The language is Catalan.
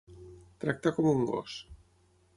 Tractar com un gos.